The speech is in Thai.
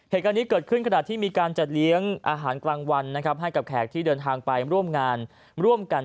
เหตุการณ์นี้เกิดขึ้นขณะที่มีการจัดเลี้ยงอาหารกลางวันนะครับให้กับแขกที่เดินทางไปร่วมงานร่วมกัน